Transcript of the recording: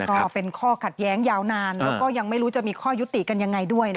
ก็เป็นข้อขัดแย้งยาวนานแล้วก็ยังไม่รู้จะมีข้อยุติกันยังไงด้วยนะคะ